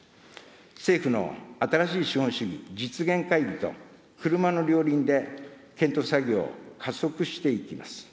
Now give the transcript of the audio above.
政府の新しい資本主義実現会議と、車の両輪で検討作業を加速していきます。